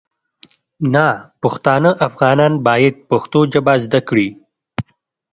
ناپښتانه افغانان باید پښتو ژبه زده کړي